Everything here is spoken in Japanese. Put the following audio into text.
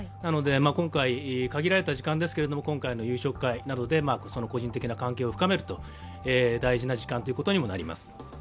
今回、限られた時間ですが、今回の夕食会で個人的な関係を深めると大事な時間ということにもなります。